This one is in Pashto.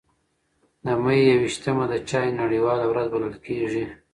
د مې یو ویشتمه د چای نړیواله ورځ بلل کېږي.